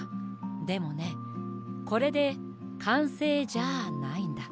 でもねこれでかんせいじゃあないんだ。